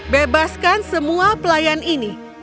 bebaskan semua pelayan ini